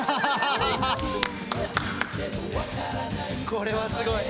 これはすごい。